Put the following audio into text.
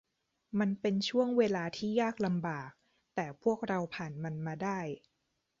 มันเป็นช่วงเวลาที่ยากลำบาก แต่พวกเราผ่านมันมาได้